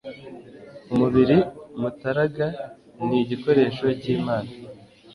umubiri mutaraga ni igikoresho cy'imana